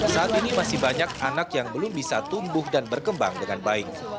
saat ini masih banyak anak yang belum bisa tumbuh dan berkembang dengan baik